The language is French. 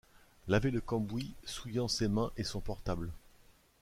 laver le cambouis souillant ses mains et son portable.